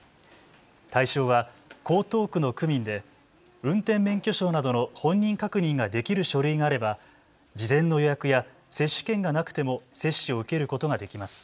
対象は江東区の区民で運転免許証などの本人確認ができる書類があれば事前の予約や接種券がなくても接種を受けることができます。